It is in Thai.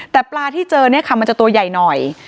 แต่ปลาที่เจอเนี่ยค่ะมันจะตัวใหญ่หน่อย